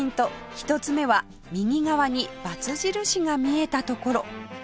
１つ目は右側にバツ印が見えたところ